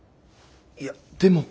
いやでも。